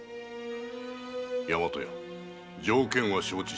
大和屋条件は承知した。